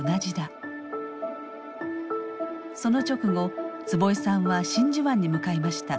その直後坪井さんは真珠湾に向かいました。